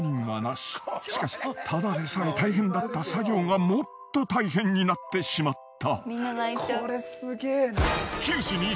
しかしただでさえ大変だった作業がもっと大変になってしまった。